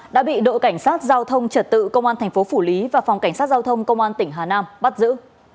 đã bị đội cảnh sát giao thông trật tự công an thành phố phủ lý và phòng cảnh sát giao thông công an tỉnh hà nam bắt giữ